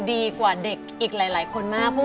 มีความสุขไหมครับ